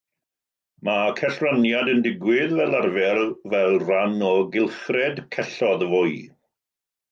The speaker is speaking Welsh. Mae cellraniad yn digwydd fel arfer fel rhan o gylchred celloedd fwy.